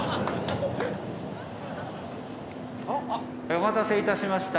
「お待たせいたしました。